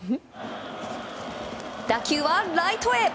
打球はライトへ。